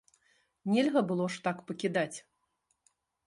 Нельга было ж так пакідаць.